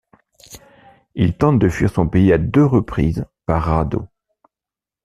Il tente de fuir son pays à deux reprises par radeau.